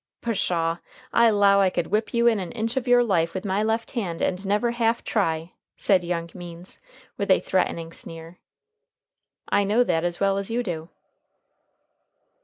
"Pshaw! I 'low I could whip you in an inch of your life with my left hand, and never half try," said young Means, with a threatening sneer. "I know that as well as you do."